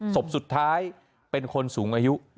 ศพสุดท้ายเป็นคนสูงอายุ